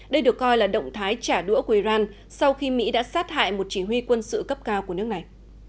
đây được coi là động thái trả đũa của iran sau khi mỹ đã sát hại một chỉ huy quân sự cấp cao của nước này